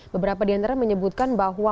beberapa diantara menyebutkan bahwa